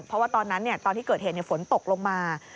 เพราะว่าตอนนั้นตอนที่เกิดเหตุฝนตกลงมา